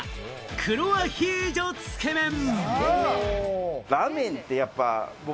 黒アヒージョつけめん。